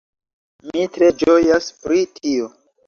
Mi tre ĝojas pri tio